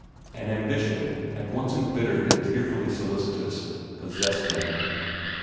An ambition, at once embittered and tearfully solicitous, possessed him.